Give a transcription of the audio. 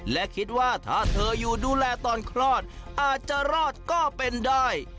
และคิดว่าถ้าเธออยู่ดูแลตอนคลอดอาจจะรอดก็เป็นได้